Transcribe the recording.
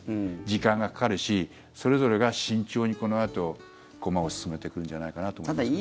時間がかかるしそれぞれが慎重にこのあと駒を進めていくんじゃないかなと思いますけど。